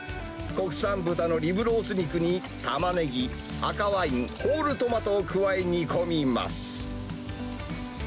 国産豚のリブロース肉に、タマネギ、赤ワイン、ホールトマトを加え、煮込みます。